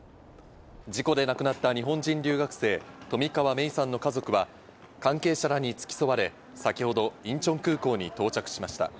事故で亡くなった日本人留学生・冨川芽生さんの家族は関係者らに付き添われ、先ほどインチョン空港に到着しました。